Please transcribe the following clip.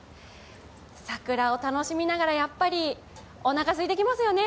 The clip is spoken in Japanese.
桜を楽しみながらやっぱりおなかすいてきますよね。